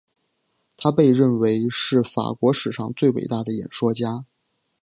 他被认为是法国史上最伟大的演说家。